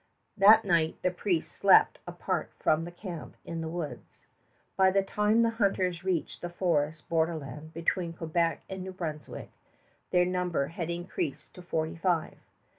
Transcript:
That night the priest slept apart from the camp in the woods. By the time the hunters reached the forest borderland between Quebec and New Brunswick, their number had increased to forty five.